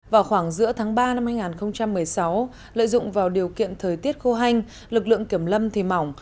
vào khoảng giữa tháng ba năm hai nghìn một mươi sáu lợi dụng vào điều kiện thời tiết khô hanh lực lượng kiểm lâm thì mỏng